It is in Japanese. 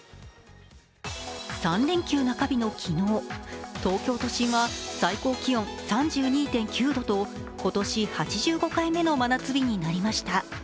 ３連休中日の昨日、東京都心は最高気温３２．９度と今年８５回目の真夏日になりました。